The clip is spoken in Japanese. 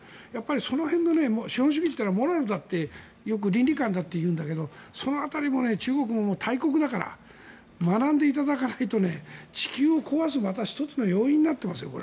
その辺の、資本主義というのはモラルだとよく倫理観だというんだけどその辺りも中国も大国だから学んでいただかないと地球を壊す１つの要因になっていますよ。